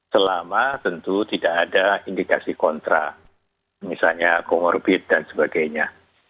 selama tentu tidak ada indikasi kontra misalnya comorbid dan sebagainya